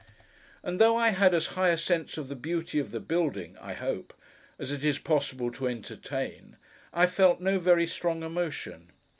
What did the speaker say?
And though I had as high a sense of the beauty of the building (I hope) as it is possible to entertain, I felt no very strong emotion.